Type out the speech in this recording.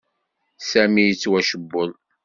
Sami yettwacewwel.